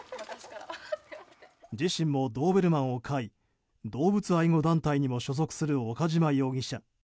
自身もドーベルマンを飼い動物愛護団体にも所属する岡島容疑者。